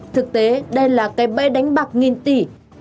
thực tế đây là cái bẫy đánh bạc nghìn tỷ